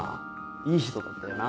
いい人だったよな。